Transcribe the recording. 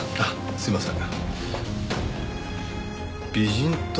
すいません。